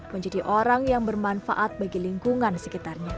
menjadi orang yang bermanfaat bagi lingkungan sekitarnya